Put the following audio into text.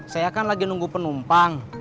saya kan lagi nunggu penumpang